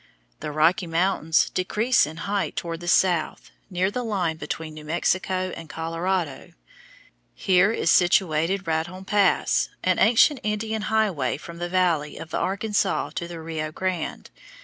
The Rocky Mountains decrease in height toward the south, near the line between New Mexico and Colorado. Here is situated Raton Pass, an ancient Indian highway from the valley of the Arkansas to the Rio Grande.